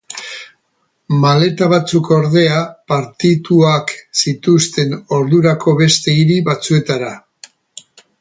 Maleta batzuk ordea partituak zituzten ordurako beste hiri batzuetara.